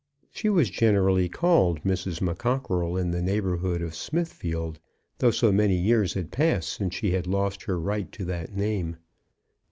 She was generally called Mrs. McCockerell in the neighbourhood of Smithfield, though so many years had passed since she had lost her right to that name.